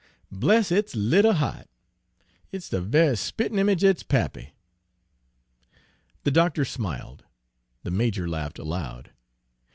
"Bless its 'ittle hea't! it's de we'y spit an' image er its pappy!" The doctor smiled. The major laughed aloud.